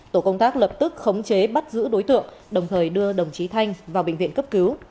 tổ công tác lập tức khống chế bắt giữ đối tượng đồng thời đưa đồng chí thanh vào bệnh viện cấp cứu